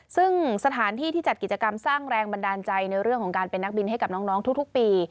ซึ่งสถานที่ที่จัดกิจกรรมสร้างแรงบันดาลใจในเรื่องของการเป็นนักบินให้กับน้องทุกปี